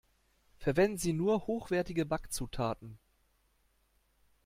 Verwenden Sie nur hochwertige Backzutaten!